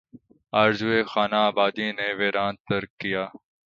آرزوئے خانہ آبادی نے ویراں تر کیا